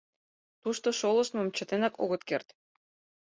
Тушто шолыштмым чытенак огыт керт.